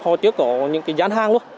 họ chưa có những dán hàng